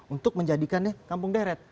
untuk menjadikannya kampung deret